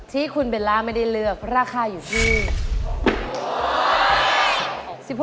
ที่คุณเบลล่าไม่ได้เลือกราคาอยู่ที่